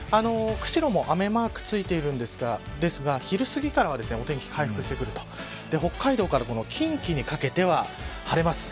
釧路も雨マークついているんですが昼すぎからはお天気回復してくると北海道から近畿にかけては晴れます。